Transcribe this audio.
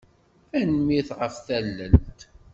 Tanemmirt ɣef tallelt.